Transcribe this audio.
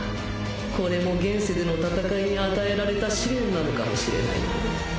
これも現世での戦いに与えられた試練なのかもしれないな。